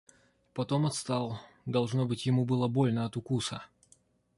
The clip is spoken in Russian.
Потом отстал, — должно быть, ему было больно от укуса.